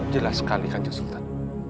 jelas sekali kanjang sultan